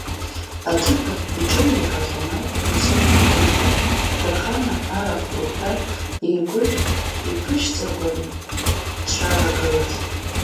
Аҭыԥахь иҿынеихахьан ауп Иасон иангәеиҭа, Ҭархана арахә рыгәҭа иеигәышә иԥышьҵаргәан дшалагылаз.